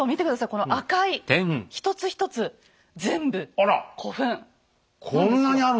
この赤い一つ一つ全部古墳なんですよ。